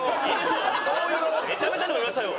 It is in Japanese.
めちゃめちゃのみましたよ。